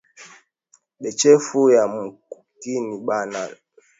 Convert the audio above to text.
Bachefu ya mukini bana lombesha ule ana shimamiya haki ya ba mama